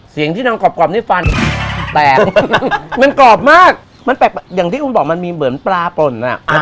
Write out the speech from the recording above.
เสียงที่นางกรอบนี่ฟันแตกมันกรอบมากมันแปลกอย่างที่คุณบอกมันมีเหมือนปลาปล่นอ่ะ